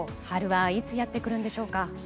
春はいつやってくるんでしょうか。